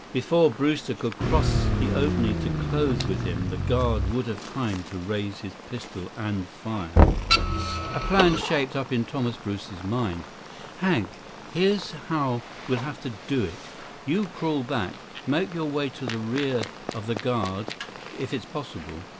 Before Brewster could cross the opening to close with him, the guard would have time to raise his pistol and fire. 156 A plan shaped up in Thomas Brewster's mind. "Hank, here's how we'll have to do it. You crawl back. Make your way to the rear of the guard if it's possible.